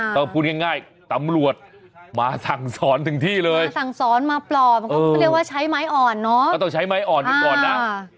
ต้องพูดง่ายตำรวจมาสั่งสอนถึงที่เลยสั่งสอนมาปลอบเขาเรียกว่าใช้ไม้อ่อนเนาะก็ต้องใช้ไม้อ่อนกันก่อนนะ